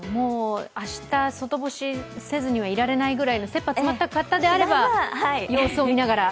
明日、外干しせずにはいられないぐらいのせっぱ詰まった方であれば様子を見ながら。